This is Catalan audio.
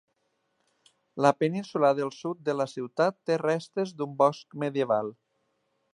La península del sud de la ciutat té restes d"un bosc medieval.